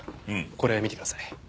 これ見てください。